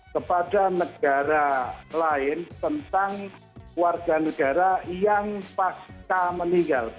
kepada negara lain tentang warga negara yang pasca meninggal